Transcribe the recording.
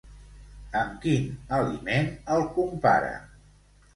Amb quin aliment el compara?